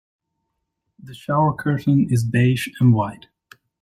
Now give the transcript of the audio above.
The shower curtain is beige and white.